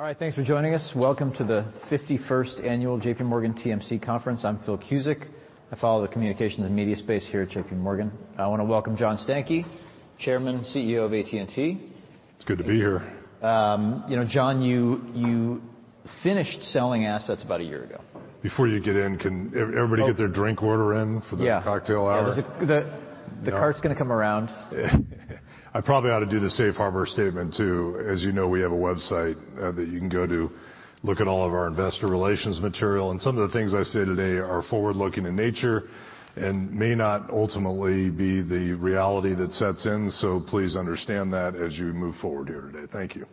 All right, thanks for joining us. Welcome to the 51st annual JPMorgan TMC Conference. I'm Phil Cusick. I follow the communications and media space here at JPMorgan. I want to welcome John Stankey, Chairman, CEO of AT&T. It's good to be here. you know, John, you finished selling assets about a year ago. Before you get in, can everybody get their drink order in? Yeah. for the cocktail hour? The cart's gonna come around. I probably ought to do the safe harbor statement too. As you know, we have a website that you can go to look at all of our investor relations material. Some of the things I say today are forward-looking in nature and may not ultimately be the reality that sets in, so please understand that as you move forward here today. Thank you.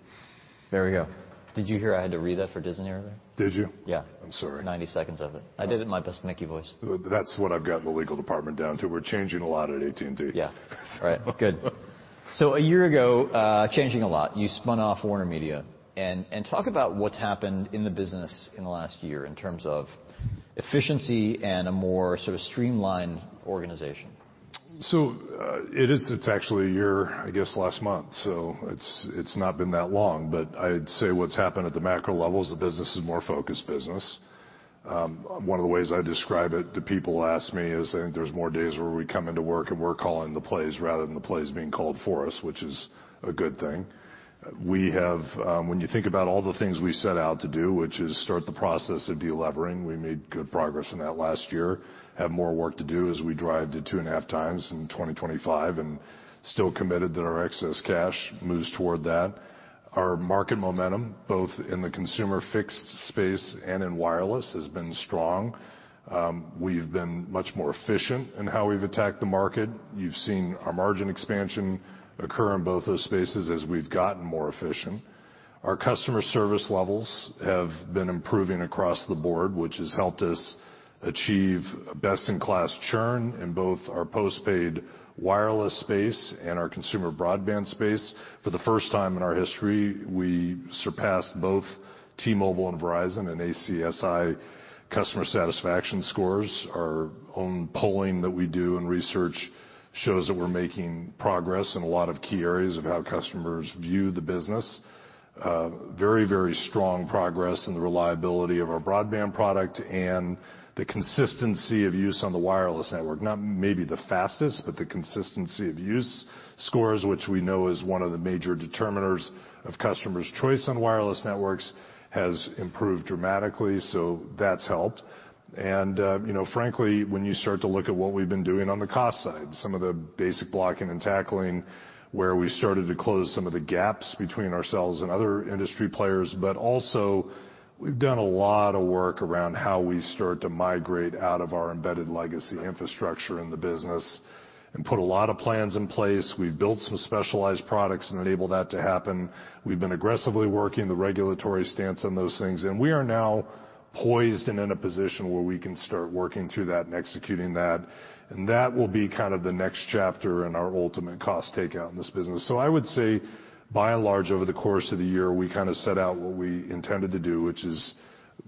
There we go. Did you hear I had to read that for Disney earlier? Did you? Yeah. I'm sorry. 90 seconds of it. I did it in my best Mickey voice. That's what I've got the legal department down to. We're changing a lot at AT&T. Yeah. All right. Good. A year ago, changing a lot, you spun off WarnerMedia. Talk about what's happened in the business in the last year in terms of efficiency and a more sort of streamlined organization. It's actually a year, I guess, last month, so it's not been that long. I'd say what's happened at the macro level is the business is a more focused business. One of the ways I describe it to people who ask me is I think there's more days where we come into work and we're calling the plays rather than the plays being called for us, which is a good thing. When you think about all the things we set out to do, which is start the process of de-levering, we made good progress in that last year, have more work to do as we drive to 2.5x in 2025, and still committed that our excess cash moves toward that. Our market momentum, both in the consumer fixed space and in wireless, has been strong. We've been much more efficient in how we've attacked the market. You've seen our margin expansion occur in both those spaces as we've gotten more efficient. Our customer service levels have been improving across the board, which has helped us achieve best-in-class churn in both our postpaid wireless space and our consumer broadband space. For the first time in our history, we surpassed both T-Mobile and Verizon in ACSI customer satisfaction scores. Our own polling that we do and research shows that we're making progress in a lot of key areas of how customers view the business. Very, very strong progress in the reliability of our broadband product and the consistency of use on the wireless network. Not maybe the fastest, but the consistency of use scores, which we know is one of the major determiners of customers' choice on wireless networks, has improved dramatically, so that's helped. You know, frankly, when you start to look at what we've been doing on the cost side, some of the basic blocking and tackling where we started to close some of the gaps between ourselves and other industry players. Also, we've done a lot of work around how we start to migrate out of our embedded legacy infrastructure in the business and put a lot of plans in place. We've built some specialized products and enabled that to happen. We've been aggressively working the regulatory stance on those things, and we are now poised and in a position where we can start working through that and executing that, and that will be kind of the next chapter in our ultimate cost takeout in this business. I would say by and large, over the course of the year, we kind of set out what we intended to do, which is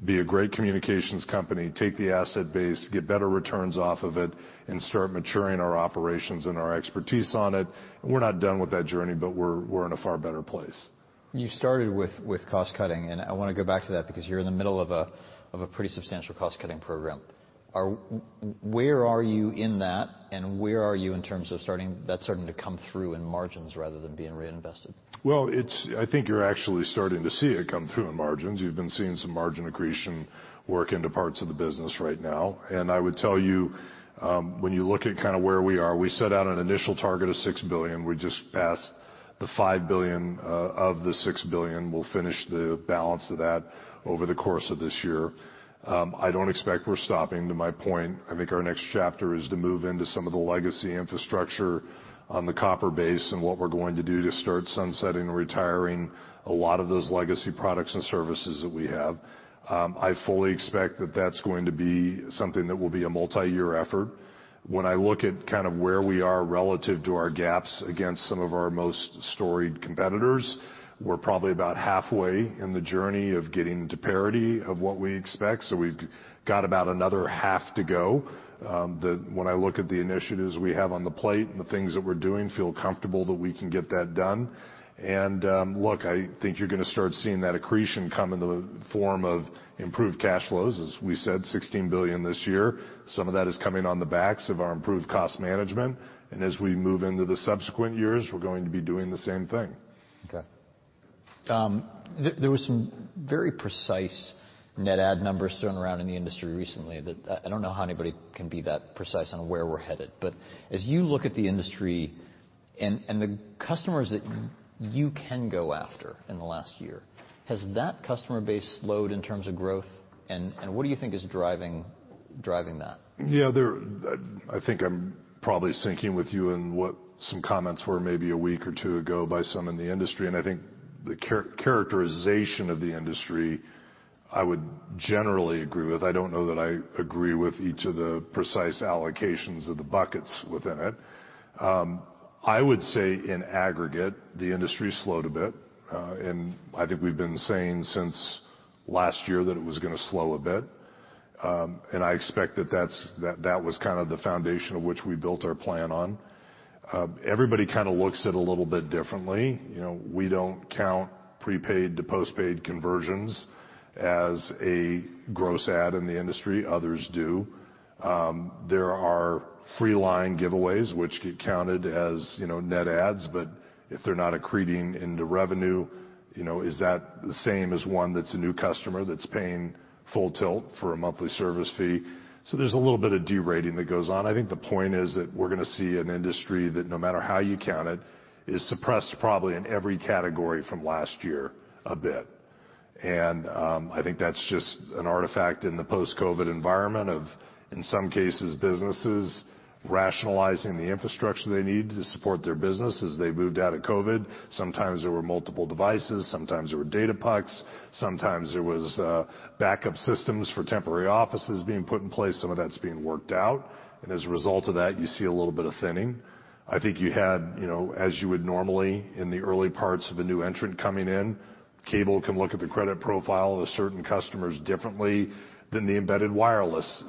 be a great communications company, take the asset base, get better returns off of it, and start maturing our operations and our expertise on it. We're not done with that journey, but we're in a far better place. You started with cost-cutting, and I want to go back to that because you're in the middle of a pretty substantial cost-cutting program. Where are you in that and where are you in terms of that starting to come through in margins rather than being reinvested? Well, I think you're actually starting to see it come through in margins. You've been seeing some margin accretion work into parts of the business right now. I would tell you, when you look at kind of where we are, we set out an initial target of $6 billion. We just passed the $5 billion of the $6 billion. We'll finish the balance of that over the course of this year. I don't expect we're stopping, to my point. I think our next chapter is to move into some of the legacy infrastructure on the copper base and what we're going to do to start sunsetting and retiring a lot of those legacy products and services that we have. I fully expect that that's going to be something that will be a multiyear effort. When I look at kind of where we are relative to our gaps against some of our most storied competitors, we're probably about halfway in the journey of getting to parity of what we expect, so we've got about another half to go. When I look at the initiatives we have on the plate and the things that we're doing, feel comfortable that we can get that done. Look, I think you're gonna start seeing that accretion come in the form of improved cash flows, as we said, $16 billion this year. Some of that is coming on the backs of our improved cost management. As we move into the subsequent years, we're going to be doing the same thing. Okay. There were some very precise net add numbers thrown around in the industry recently that I don't know how anybody can be that precise on where we're headed. As you look at the industry and the customers that you can go after in the last year, has that customer base slowed in terms of growth and what do you think is driving that? Yeah. I think I'm probably syncing with you in what some comments were maybe a week or two ago by some in the industry, I think the characterization of the industry I would generally agree with. I don't know that I agree with each of the precise allocations of the buckets within it. I would say in aggregate, the industry slowed a bit, I think we've been saying since last year that it was gonna slow a bit. I expect that was kind of the foundation of which we built our plan on. Everybody kind of looks at it a little bit differently. You know, we don't count prepaid to postpaid conversions as a gross add in the industry. Others do. There are free line giveaways which get counted as, you know, net adds, but if they're not accreting into revenue, you know, is that the same as one that's a new customer that's paying full tilt for a monthly service fee? There's a little bit of derating that goes on. I think the point is that we're gonna see an industry that no matter how you count it, is suppressed probably in every category from last year a bit. I think that's just an artifact in the post-COVID environment of, in some cases, businesses rationalizing the infrastructure they need to support their business as they moved out of COVID. Sometimes there were multiple devices, sometimes there were data pucks, sometimes there was backup systems for temporary offices being put in place. Some of that's being worked out. As a result of that, you see a little bit of thinning. I think you had, you know, as you would normally in the early parts of a new entrant coming in, Cable can look at the credit profile of certain customers differently than the embedded wireless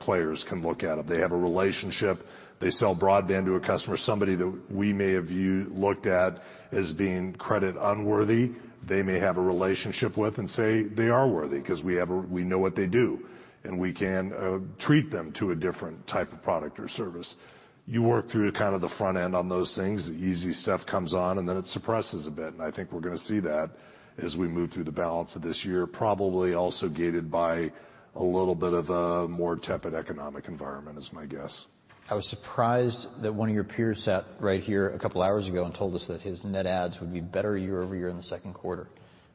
players can look at them. They have a relationship. They sell broadband to a customer. Somebody that we may have looked at as being credit unworthy, they may have a relationship with and say they are worthy because we know what they do, and we can treat them to a different type of product or service. You work through to kind of the front end on those things, the easy stuff comes on, and then it suppresses a bit, and I think we're gonna see that as we move through the balance of this year, probably also gated by a little bit of a more tepid economic environment is my guess. I was surprised that one of your peers sat right here a couple of hours ago and told us that his net adds would be better year-over-year in the second quarter.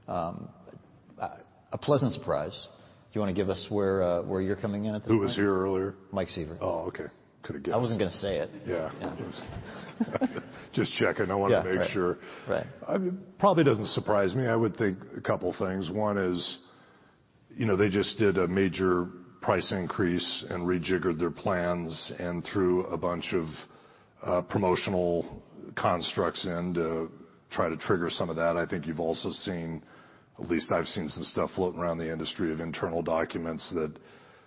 A pleasant surprise. Do you want to give us where you're coming in at the- Who was here earlier? Mike Sievert. Oh, okay. Could have guessed. I wasn't gonna say it. Yeah. Yeah. Just checking. Yeah. I wanna make sure. Right. I mean, probably doesn't surprise me. I would think a couple of things. One is, you know, they just did a major price increase and rejiggered their plans and threw a bunch of promotional constructs in to try to trigger some of that. I think you've also seen, at least I've seen some stuff floating around the industry of internal documents that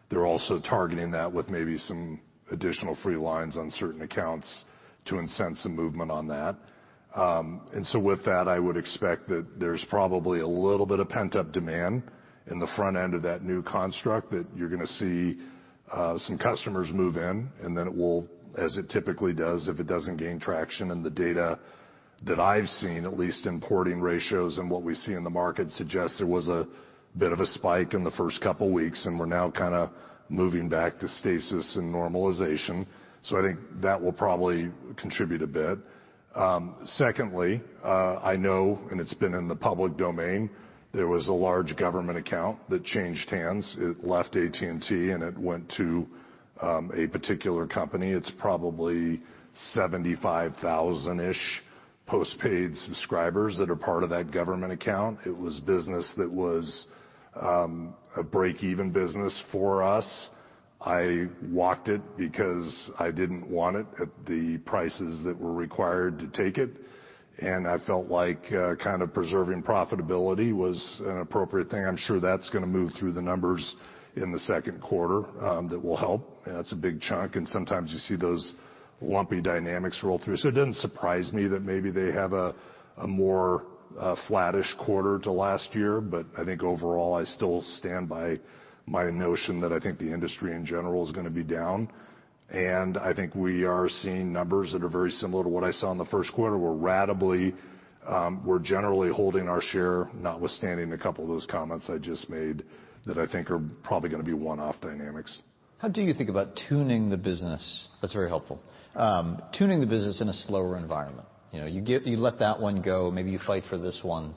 they're also targeting that with maybe some additional free lines on certain accounts to incent some movement on that. With that, I would expect that there's probably a little bit of pent-up demand in the front end of that new construct that you're gonna see some customers move in, and then it will, as it typically does, if it doesn't gain traction in the data that I've seen, at least in porting ratios and what we see in the market suggests there was a bit of a spike in the first couple weeks, and we're now kind of moving back to stasis and normalization. I think that will probably contribute a bit. Secondly, I know, and it's been in the public domain, there was a large government account that changed hands. It left AT&T, and it went to a particular company. It's probably 75,000-ish postpaid subscribers that are part of that government account. It was business that was a break-even business for us. I walked it because I didn't want it at the prices that were required to take it, and I felt like kind of preserving profitability was an appropriate thing. I'm sure that's gonna move through the numbers in the second quarter that will help. That's a big chunk, and sometimes you see those lumpy dynamics roll through. it didn't surprise me that maybe they have a more flattish quarter to last year. I think overall, I still stand by my notion that I think the industry in general is gonna be down. I think we are seeing numbers that are very similar to what I saw in the first quarter, where ratably, we're generally holding our share, notwithstanding a couple of those comments I just made that I think are probably gonna be one-off dynamics. How do you think about tuning the business? That's very helpful. tuning the business in a slower environment. You know, you let that one go, maybe you fight for this one.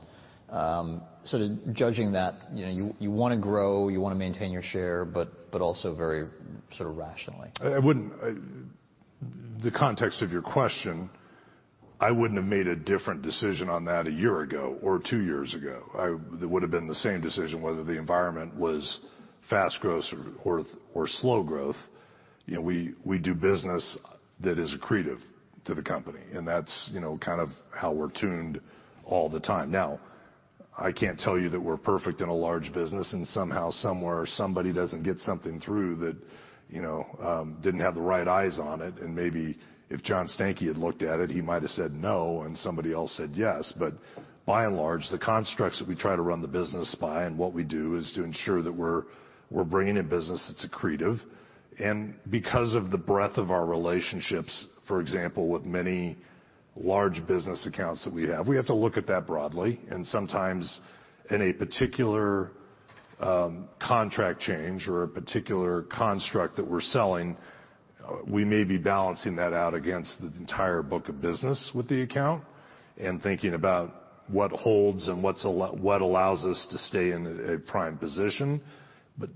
sort of judging that, you know, you wanna grow, you wanna maintain your share, but also very sort of rationally. I wouldn't, the context of your question, I wouldn't have made a different decision on that a year ago or two years ago. It would have been the same decision whether the environment was fast growth or slow growth. You know, we do business that is accretive to the company, and that's, you know, kind of how we're tuned all the time. I can't tell you that we're perfect in a large business and somehow, somewhere, somebody doesn't get something through that, you know, didn't have the right eyes on it. Maybe if John Stankey had looked at it, he might have said no, and somebody else said yes. By and large, the constructs that we try to run the business by and what we do is to ensure that we're bringing in business that's accretive. Because of the breadth of our relationships, for example, with many large business accounts that we have, we have to look at that broadly. Sometimes in a particular contract change or a particular construct that we're selling, we may be balancing that out against the entire book of business with the account and thinking about what holds and what allows us to stay in a prime position.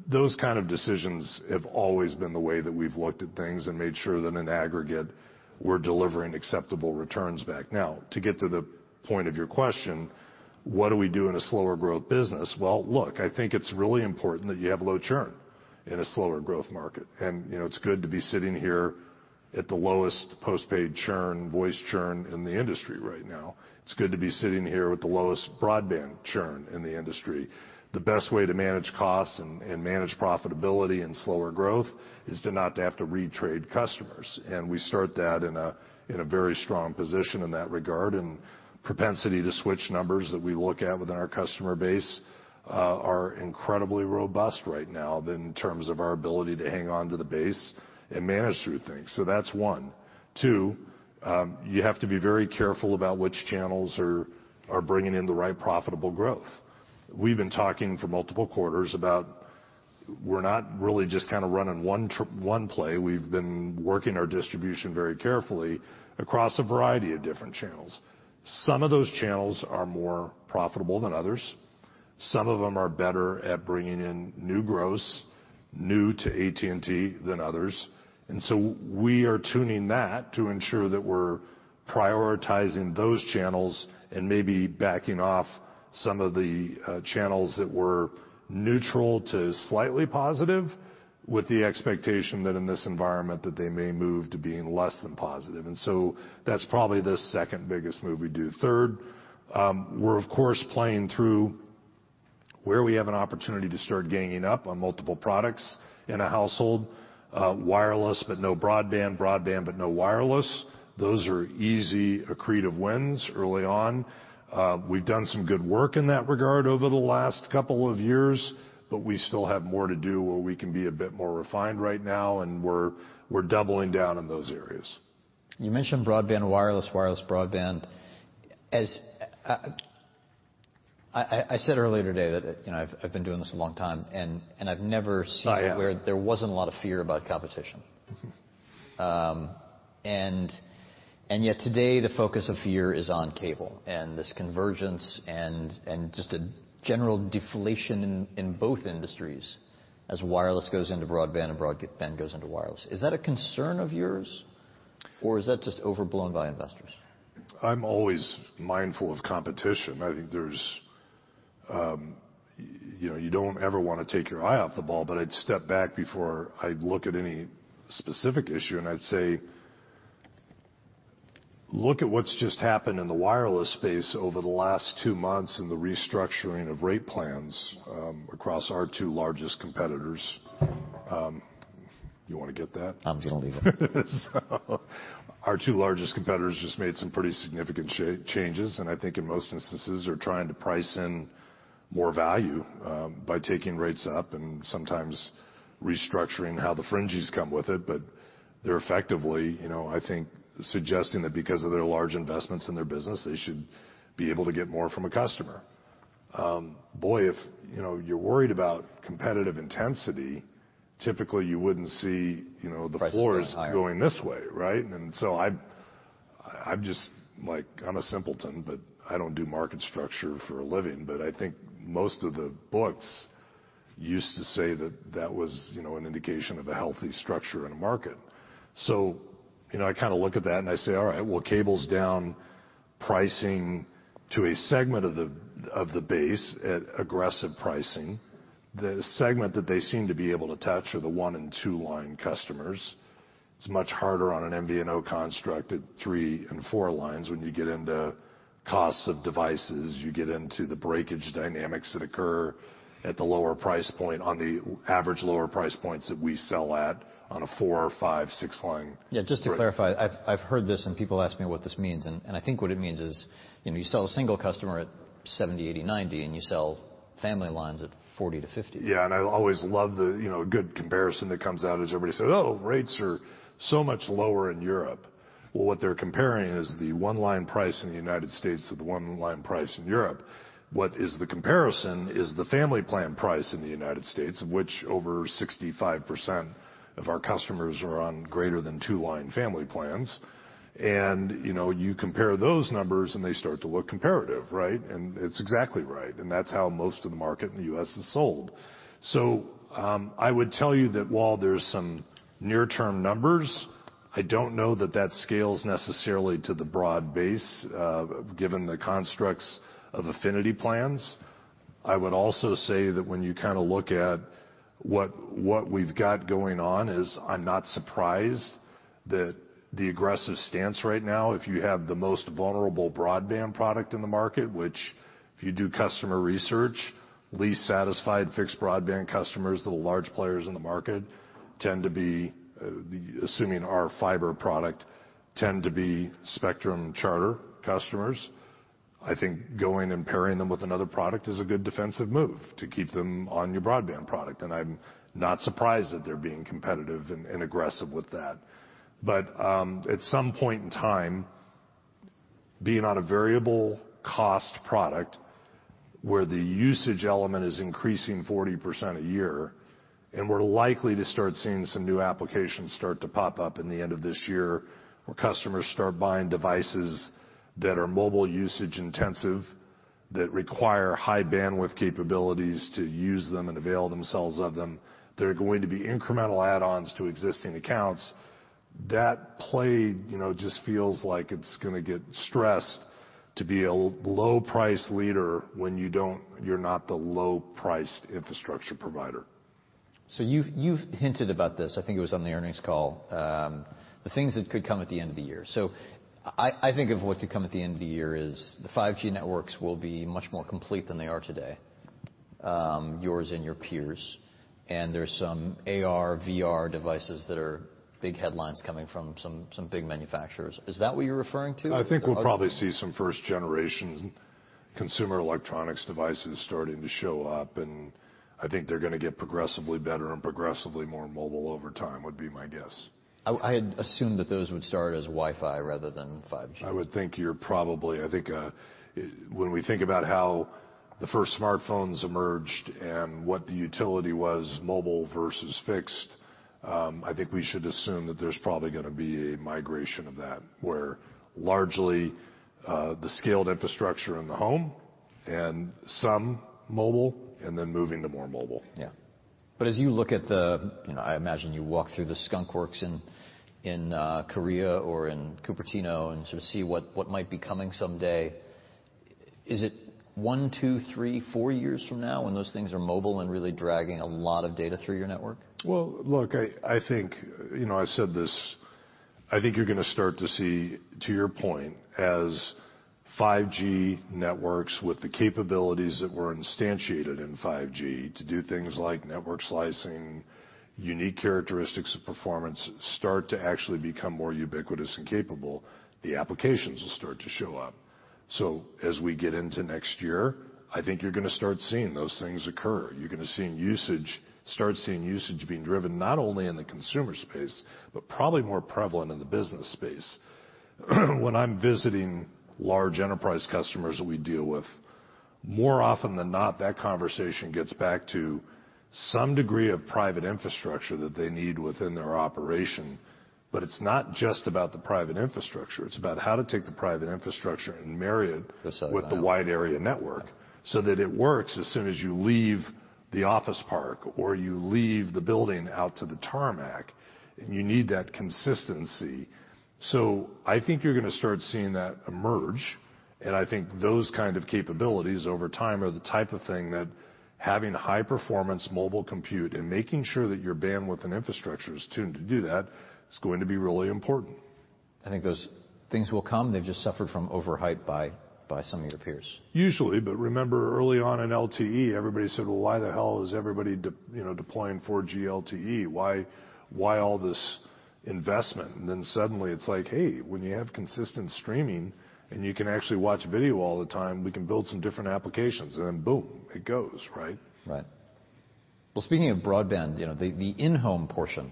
Those kind of decisions have always been the way that we've looked at things and made sure that in aggregate, we're delivering acceptable returns back. Now, to get to the point of your question, what do we do in a slower growth business? Well, look, I think it's really important that you have low churn in a slower growth market. you know, it's good to be sitting here. At the lowest postpaid churn, voice churn in the industry right now. It's good to be sitting here with the lowest broadband churn in the industry. The best way to manage costs and manage profitability and slower growth is to not to have to re-trade customers, and we start that in a very strong position in that regard. Propensity to switch numbers that we look at within our customer base are incredibly robust right now than in terms of our ability to hang on to the base and manage through things. That's one. Two, you have to be very careful about which channels are bringing in the right profitable growth. We've been talking for multiple quarters about we're not really just kind of running one one play. We've been working our distribution very carefully across a variety of different channels. Some of those channels are more profitable than others. Some of them are better at bringing in new gross, new to AT&T than others. We are tuning that to ensure that we're prioritizing those channels and maybe backing off some of the channels that were neutral to slightly positive with the expectation that in this environment that they may move to being less than positive. That's probably the second biggest move we do. Third, we're of course playing through where we have an opportunity to start ganging up on multiple products in a household, wireless, but no broadband, but no wireless. Those are easy accretive wins early on. We've done some good work in that regard over the last couple of years, but we still have more to do where we can be a bit more refined right now, and we're doubling down in those areas. You mentioned broadband wireless broadband. As I said earlier today that, you know, I've been doing this a long time and I've never seen. Oh, yeah.... where there wasn't a lot of fear about competition. Yet today the focus of fear is on cable, and this convergence and just a general deflation in both industries as wireless goes into broadband and broadband goes into wireless. Is that a concern of yours, or is that just overblown by investors? I'm always mindful of competition. I think there's, you know, you don't ever want to take your eye off the ball, but I'd step back before I'd look at any specific issue and I'd say, look at what's just happened in the wireless space over the last two months and the restructuring of rate plans, across our two largest competitors. You want to get that? I'm gonna leave it. Our two largest competitors just made some pretty significant changes, and I think in most instances are trying to price in more value, by taking rates up and sometimes restructuring how the fringes come with it. They're effectively, you know, I think suggesting that because of their large investments in their business, they should be able to get more from a customer. Boy, if you know, you're worried about competitive intensity, typically you wouldn't see. Prices get higher.... the floors going this way, right? I'm just like, I'm a simpleton, but I don't do market structure for a living. I think most of the books used to say that that was, you know, an indication of a healthy structure in a market. You know, I kind of look at that and I say, all right, well, Cable's down pricing to a segment of the, of the base at aggressive pricing. The segment that they seem to be able to attach are the 1 and 2 line customers. It's much harder on an MVNO construct at three and four lines when you get into costs of devices, you get into the breakage dynamics that occur at the lower price point on the average lower price points that we sell at on a four or five, six line. Yeah, just to clarify, I've heard this and people ask me what this means, and I think what it means is, you know, you sell a single customer at $70, $80, $90, and you sell family lines at $40-$50. Yeah. I always love the, you know, a good comparison that comes out is everybody says, "Oh, rates are so much lower in Europe." Well, what they're comparing is the one line price in the United States to the one line price in Europe. What is the comparison is the family plan price in the United States, which over 65% of our customers are on greater than two line family plans. You know, you compare those numbers, and they start to look comparative, right? It's exactly right, and that's how most of the market in the US is sold. I would tell you that while there's some near term numbers, I don't know that that scales necessarily to the broad base of, given the constructs of affinity plans. I would also say that when you kind of look at what we've got going on is I'm not surprised that the aggressive stance right now, if you have the most vulnerable broadband product in the market, which if you do customer research, least satisfied fixed broadband customers to the large players in the market tend to be, assuming our fiber product, tend to be Charter Communications customers. I think going and pairing them with another product is a good defensive move to keep them on your broadband product. I'm not surprised that they're being competitive and aggressive with that. At some point in time, being on a variable cost product where the usage element is increasing 40% a year, and we're likely to start seeing some new applications start to pop up in the end of this year, where customers start buying devices that are mobile usage intensive, that require high bandwidth capabilities to use them and avail themselves of them. They're going to be incremental add-ons to existing accounts. That play, you know, just feels like it's going to get stressed. To be a low price leader when you're not the low-priced infrastructure provider. You've hinted about this, I think it was on the earnings call, the things that could come at the end of the year. I think of what to come at the end of the year is the 5G networks will be much more complete than they are today, yours and your peers. There's some AR/VR devices that are big headlines coming from some big manufacturers. Is that what you're referring to? I think we'll probably see some first-generation consumer electronics devices starting to show up. I think they're going to get progressively better and progressively more mobile over time, would be my guess. I had assumed that those would start as Wi-Fi rather than 5G. I would think you're probably, I think, when we think about how the first smartphones emerged and what the utility was mobile versus fixed, I think we should assume that there's probably gonna be a migration of that, where largely, the scaled infrastructure in the home and some mobile and then moving to more mobile. Yeah. As you look at the, you know, I imagine you walk through the skunk works in Korea or in Cupertino and sort of see what might be coming someday. Is it one, two, three, four years from now when those things are mobile and really dragging a lot of data through your network? Well, look, I think, you know, I said this, I think you're going to start to see, to your point, as 5G networks with the capabilities that were instantiated in 5G to do things like network slicing, unique characteristics of performance start to actually become more ubiquitous and capable, the applications will start to show up. As we get into next year, I think you're going to start seeing those things occur. You're going to start seeing usage being driven not only in the consumer space, but probably more prevalent in the business space. When I'm visiting large enterprise customers that we deal with, more often than not, that conversation gets back to some degree of private infrastructure that they need within their operation. It's not just about the private infrastructure, it's about how to take the private infrastructure and marry it- Yes. with the wide area network so that it works as soon as you leave the office park or you leave the building out to the tarmac, and you need that consistency. I think you're going to start seeing that emerge, and I think those kind of capabilities over time are the type of thing that having high performance mobile compute and making sure that your bandwidth and infrastructure is tuned to do that is going to be really important. I think those things will come. They've just suffered from overhype by some of your peers. Usually. Remember early on in LTE, everybody said, "Well, why the hell is everybody you know, deploying 4G LTE? Why all this investment?" Suddenly it's like, hey, when you have consistent streaming and you can actually watch video all the time, we can build some different applications. Then boom, it goes, right? Right. Well, speaking of broadband, you know, the in-home portion,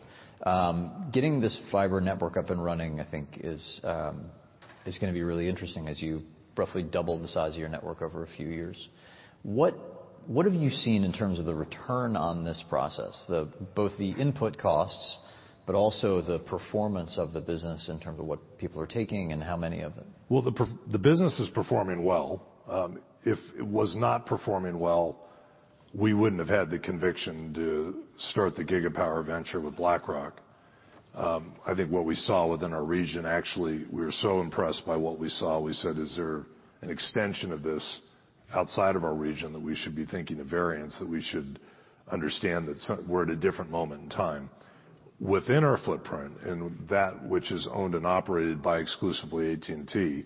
getting this fiber network up and running, I think is going to be really interesting as you roughly double the size of your network over a few years. What, what have you seen in terms of the return on this process, both the input costs but also the performance of the business in terms of what people are taking and how many of them? Well, the business is performing well. If it was not performing well, we wouldn't have had the conviction to start the Gigapower venture with BlackRock. I think what we saw within our region, actually, we were so impressed by what we saw. We said, "Is there an extension of this outside of our region that we should be thinking of variants, that we should understand that we're at a different moment in time?" Within our footprint and that which is owned and operated by exclusively AT&T,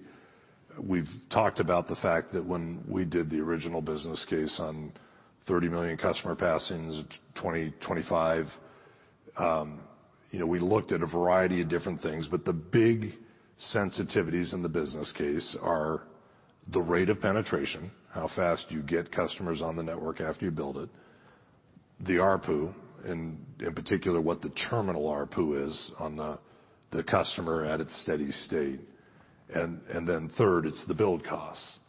we've talked about the fact that when we did the original business case on 30 million customer passings, 2025, you know, we looked at a variety of different things. The big sensitivities in the business case are the rate of penetration, how fast you get customers on the network after you build it, the ARPU, and in particular, what the terminal ARPU is on the customer at its steady state and then third, it's the build costs.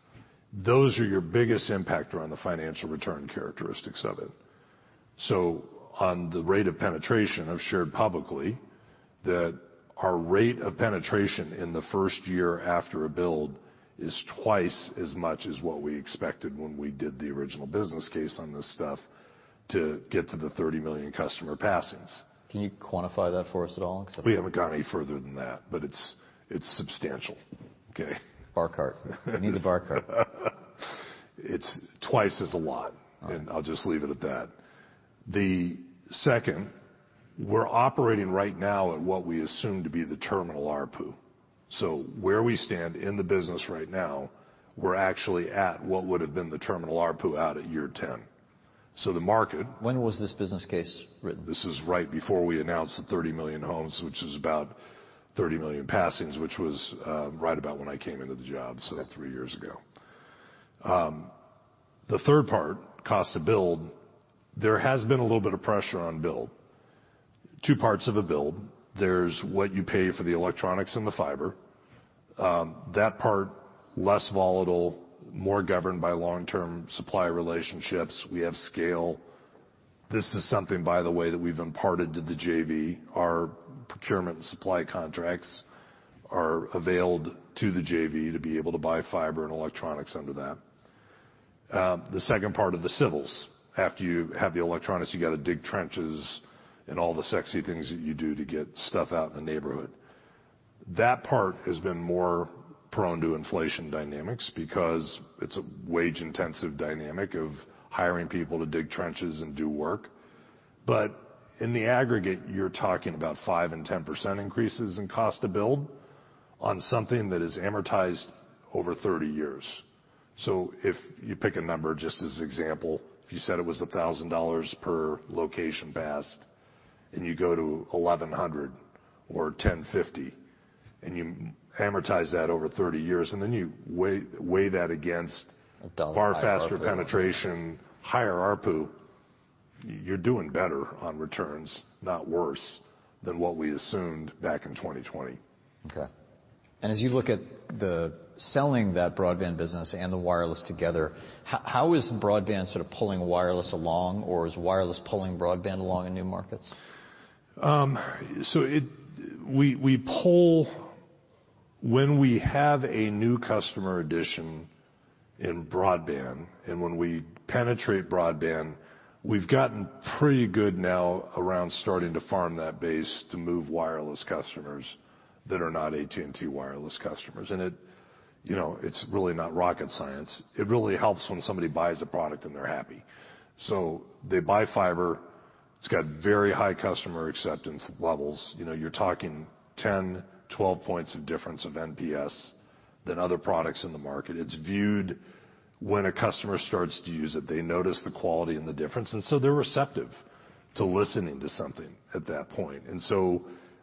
Those are your biggest impact around the financial return characteristics of it. On the rate of penetration, I've shared publicly that our rate of penetration in the first year after a build is twice as much as what we expected when we did the original business case on this stuff to get to the 30 million customer passings. Can you quantify that for us at all? Because... We haven't gone any further than that. It's substantial. Okay. Bar cart. We need the bar cart. It's twice as a lot. All right. I'll just leave it at that. The second, we're operating right now at what we assume to be the terminal ARPU. Where we stand in the business right now, we're actually at what would have been the terminal ARPU out at year 10. When was this business case written? This is right before we announced the 30 million homes, which is about 30 million passings, which was right about when I came into the job, so three years ago. The third part, cost to build, there has been a little bit of pressure on build. Two parts of a build. There's what you pay for the electronics and the fiber. That part, less volatile, more governed by long-term supply relationships. We have scale. This is something, by the way, that we've imparted to the JV. Our procurement and supply contracts are availed to the JV to be able to buy fiber and electronics under that. The second part of the civils. After you have the electronics, you got to dig trenches and all the sexy things that you do to get stuff out in the neighborhood. That part has been more prone to inflation dynamics because it's a wage-intensive dynamic of hiring people to dig trenches and do work. In the aggregate, you're talking about 5% and 10% increases in cost to build on something that is amortized over 30 years. If you pick a number just as example, if you said it was $1,000 per location passed and you go to $1,100 or $1,050 and you amortize that over 30 years, and then you weigh that against far faster penetration, higher ARPU, you're doing better on returns, not worse than what we assumed back in 2020. Okay. As you look at the selling that broadband business and the wireless together, how is the broadband sort of pulling wireless along? Or is wireless pulling broadband along in new markets? We pull when we have a new customer addition in broadband and when we penetrate broadband, we've gotten pretty good now around starting to farm that base to move wireless customers that are not AT&T Wireless customers. It, you know, it's really not rocket science. It really helps when somebody buys a product and they're happy. They buy fiber. It's got very high customer acceptance levels. You know, you're talking 10, 12 points of difference of NPS than other products in the market. It's viewed when a customer starts to use it, they notice the quality and the difference, they're receptive to listening to something at that point.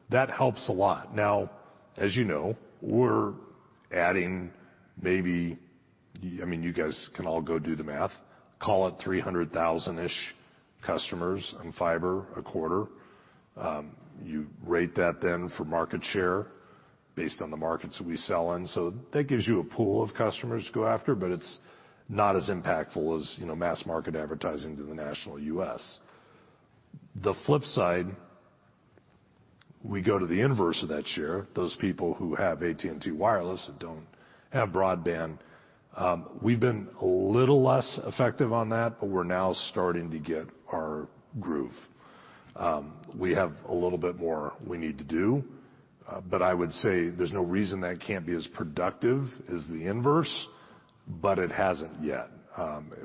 That helps a lot. Now, as you know, we're adding maybe, I mean, you guys can all go do the math, call it 300,000-ish customers on fiber a quarter. You rate that then for market share based on the markets that we sell in. That gives you a pool of customers to go after, but it's not as impactful as, you know, mass market advertising to the national U.S. The flip side, we go to the inverse of that share, those people who have AT&T Wireless that don't have broadband, we've been a little less effective on that, but we're now starting to get our groove. We have a little bit more we need to do, but I would say there's no reason that can't be as productive as the inverse, but it hasn't yet.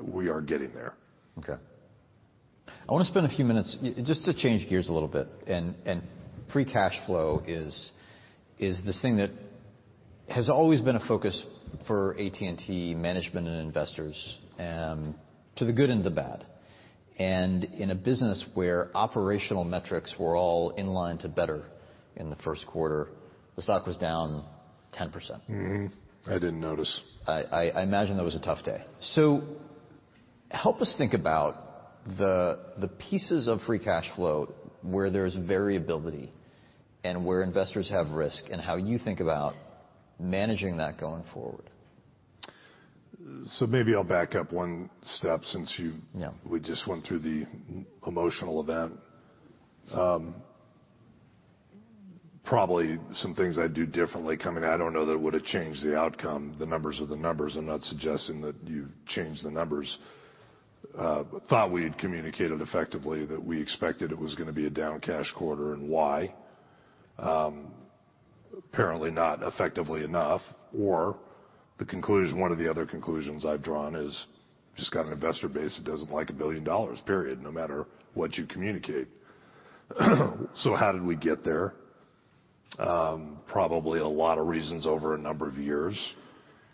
We are getting there. Okay. I want to spend a few minutes just to change gears a little bit. Free cash flow is this thing that has always been a focus for AT&T management and investors, to the good and the bad. In a business where operational metrics were all in line to better in the first quarter, the stock was down 10%. Mm-hmm. I didn't notice. I imagine that was a tough day. Help us think about the pieces of free cash flow where there's variability and where investors have risk and how you think about managing that going forward. Maybe I'll back up one step. Yeah... we just went through the emotional event. Probably some things I'd do differently coming. I don't know that it would have changed the outcome, the numbers are the numbers. I'm not suggesting that you change the numbers. Thought we had communicated effectively that we expected it was going to be a down cash quarter and why. Apparently not effectively enough. The conclusion, one of the other conclusions I've drawn is just got an investor base that doesn't like $1 billion, period, no matter what you communicate. How did we get there? Probably a lot of reasons over a number of years.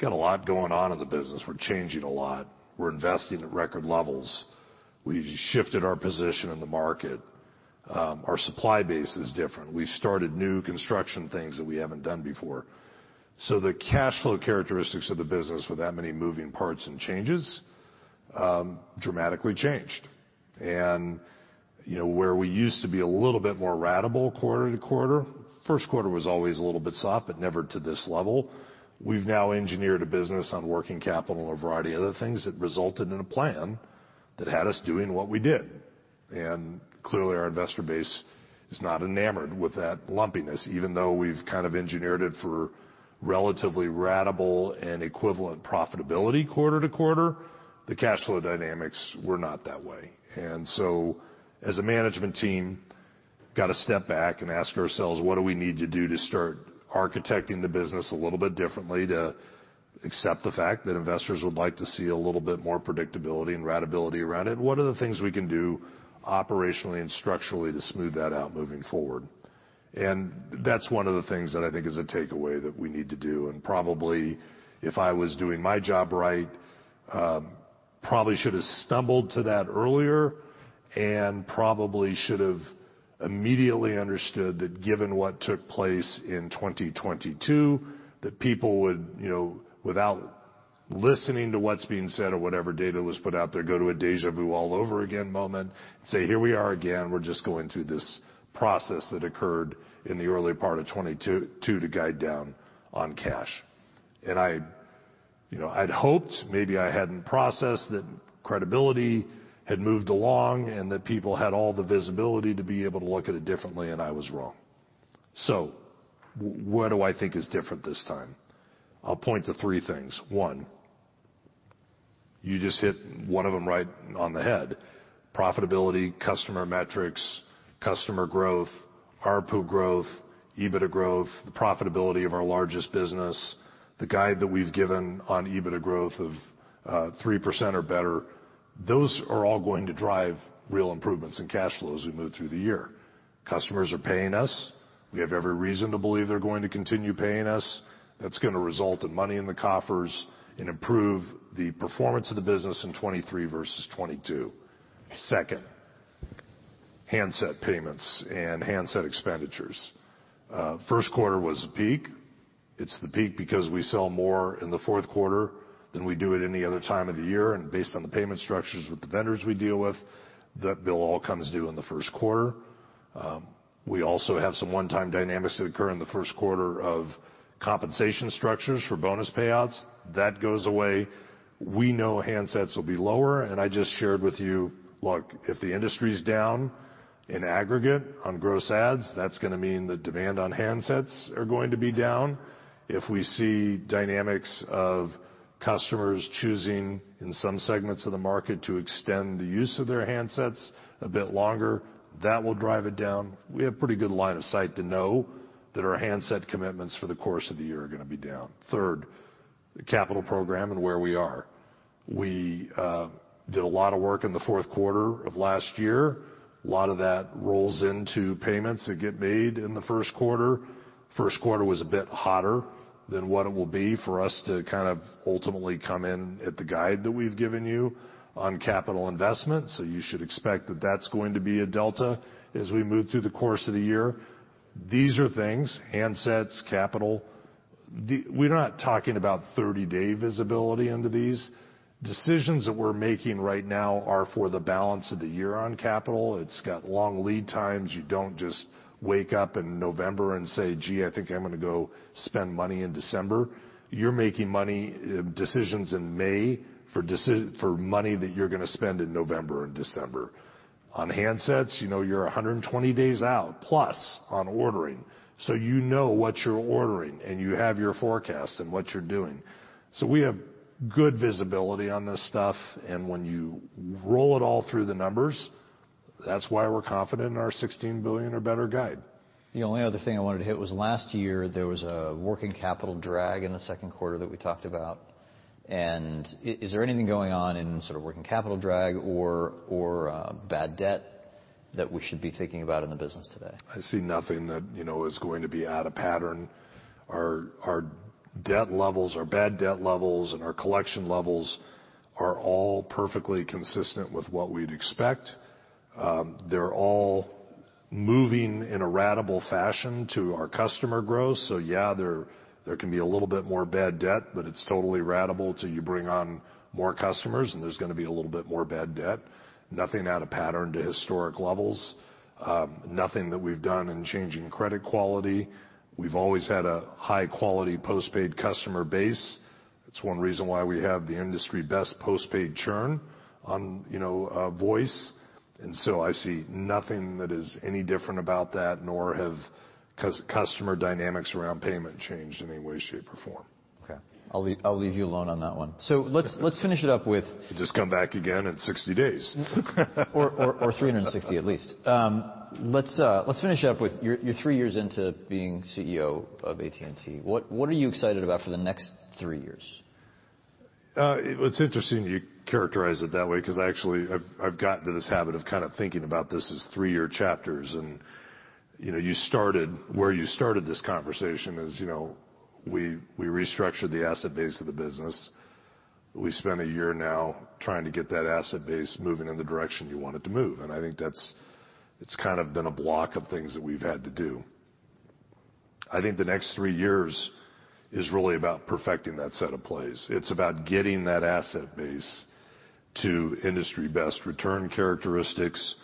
Got a lot going on in the business. We're changing a lot. We're investing at record levels. We shifted our position in the market. Our supply base is different. We started new construction things that we haven't done before. The cash flow characteristics of the business with that many moving parts and changes, dramatically changed. You know, where we used to be a little bit more ratable quarter to quarter, first quarter was always a little bit soft, but never to this level. We've now engineered a business on working capital and a variety of other things that resulted in a plan that had us doing what we did. Clearly, our investor base is not enamored with that lumpiness. Even though we've kind of engineered it for relatively ratable and equivalent profitability quarter to quarter, the cash flow dynamics were not that way. As a management team, got to step back and ask ourselves, what do we need to do to start architecting the business a little bit differently to accept the fact that investors would like to see a little bit more predictability and ratability around it? What are the things we can do operationally and structurally to smooth that out moving forward? That's one of the things that I think is a takeaway that we need to do. Probably if I was doing my job right, probably should have stumbled to that earlier and probably should have immediately understood that given what took place in 2022, that people would, you know, without listening to what's being said or whatever data was put out there, go to a deja vu all over again moment and say, "Here we are again. We're just going through this process that occurred in the early part of 2022 to guide down on cash. I, you know, I'd hoped maybe I hadn't processed that credibility had moved along and that people had all the visibility to be able to look at it differently, and I was wrong. What do I think is different this time? I'll point to three things. One, you just hit one of them right on the head. Profitability, customer metrics, customer growth, ARPU growth, EBITDA growth, the profitability of our largest business, the guide that we've given on EBITDA growth of 3% or better, those are all going to drive real improvements in cash flows as we move through the year. Customers are paying us. We have every reason to believe they're going to continue paying us. That's gonna result in money in the coffers and improve the performance of the business in 2023 versus 2022. Second, handset payments and handset expenditures. First quarter was the peak. It's the peak because we sell more in the fourth quarter than we do at any other time of the year. Based on the payment structures with the vendors we deal with, that bill all comes due in the first quarter. We also have some one-time dynamics that occur in the first quarter of compensation structures for bonus payouts. That goes away. We know handsets will be lower. I just shared with you. Look, if the industry's down in aggregate on gross adds, that's gonna mean the demand on handsets are going to be down. If we see dynamics of customers choosing, in some segments of the market, to extend the use of their handsets a bit longer, that will drive it down. We have pretty good line of sight to know that our handset commitments for the course of the year are gonna be down. Third, the capital program and where we are. We did a lot of work in the fourth quarter of last year. A lot of that rolls into payments that get made in the first quarter. First quarter was a bit hotter than what it will be for us to kind of ultimately come in at the guide that we've given you on capital investments. You should expect that that's going to be a delta as we move through the course of the year. These are things, handsets, capital. The. We're not talking about 30-day visibility into these. Decisions that we're making right now are for the balance of the year on capital. It's got long lead times. You don't just wake up in November and say, "Gee, I think I'm gonna go spend money in December." You're making money decisions in May for money that you're gonna spend in November and December. On handsets, you know, you're 120 days out, plus on ordering. You know what you're ordering, and you have your forecast and what you're doing. We have good visibility on this stuff, and when you roll it all through the numbers, that's why we're confident in our $16 billion or better guide. The only other thing I wanted to hit was last year, there was a working capital drag in the second quarter that we talked about. Is there anything going on in sort of working capital drag or bad debt that we should be thinking about in the business today? I see nothing that, you know, is going to be out of pattern. Our debt levels, our bad debt levels, and our collection levels are all perfectly consistent with what we'd expect. They're all moving in a ratable fashion to our customer growth. Yeah, there can be a little bit more bad debt, but it's totally ratable till you bring on more customers, and there's gonna be a little bit more bad debt. Nothing out of pattern to historic levels. Nothing that we've done in changing credit quality. We've always had a high-quality postpaid customer base. It's one reason why we have the industry-best postpaid churn on, you know, voice. I see nothing that is any different about that, nor have customer dynamics around payment changed in any way, shape, or form. Okay. I'll leave you alone on that one. let's finish it up with. Just come back again in 60 days. 360 at least. Let's finish up with you're three years into being CEO of AT&T. What are you excited about for the next three years? It's interesting you characterize it that way, 'cause I actually I've gotten to this habit of kind of thinking about this as three-year chapters. And, you know, where you started this conversation is, you know, we restructured the asset base of the business. We spent a year now trying to get that asset base moving in the direction you want it to move, and I think it's kind of been a block of things that we've had to do. I think the next three years is really about perfecting that set of plays. It's about getting that asset base to industry-best return characteristics,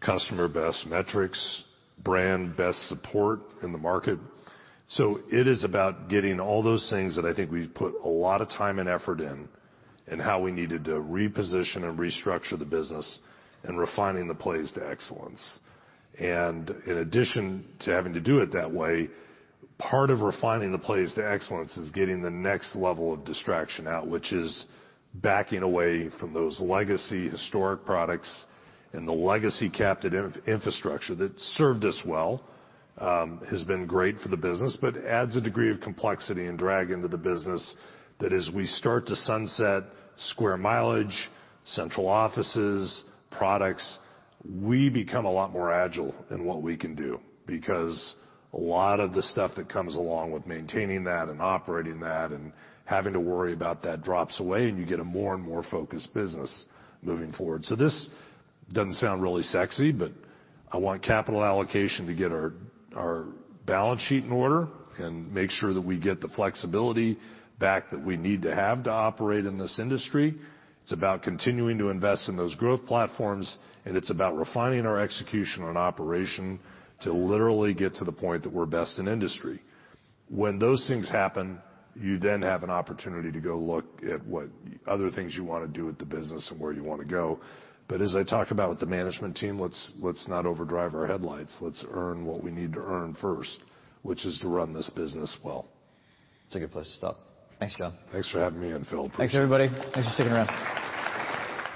customer-best metrics, brand-best support in the market. It is about getting all those things that I think we've put a lot of time and effort in how we needed to reposition and restructure the business and refining the plays to excellence. In addition to having to do it that way, part of refining the plays to excellence is getting the next level of distraction out, which is backing away from those legacy historic products and the legacy-capped infrastructure that served us well, has been great for the business, but adds a degree of complexity and drag into the business, that as we start to sunset square mileage, central offices, products, we become a lot more agile in what we can do. A lot of the stuff that comes along with maintaining that and operating that and having to worry about that drops away, and you get a more and more focused business moving forward. This doesn't sound really sexy, but I want capital allocation to get our balance sheet in order and make sure that we get the flexibility back that we need to have to operate in this industry. It's about continuing to invest in those growth platforms, and it's about refining our execution on operation to literally get to the point that we're best in industry. When those things happen, you then have an opportunity to go look at what other things you wanna do with the business and where you wanna go. As I talk about with the management team, let's not overdrive our headlights. Let's earn what we need to earn first, which is to run this business well. That's a good place to stop. Thanks, John. Thanks for having me in, Phil. Appreciate it. Thanks, everybody. Thanks for sticking around.